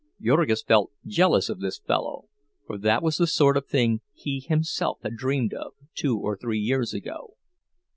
Jurgis felt jealous of this fellow; for that was the sort of thing he himself had dreamed of, two or three years ago.